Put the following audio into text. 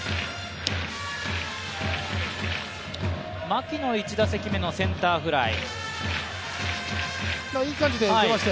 牧の１打席目のセンターフライ。